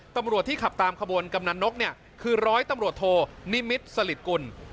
ตำรวจที่ขับตามขบวนกำนันนกเนี่ยคือร้อยตำรวจโทนิมิตรสลิดกุล